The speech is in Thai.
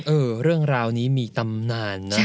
เรื่องราวนี้มีตำนานนะ